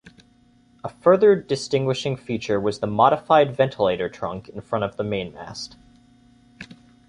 A further distinguishing feature was the modified ventilator trunk in front of the mainmast.